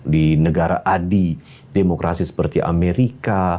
di negara adi demokrasi seperti amerika